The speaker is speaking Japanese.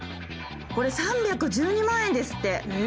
これ３１２万円ですって。